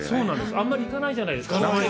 あんまり行かないじゃないですか。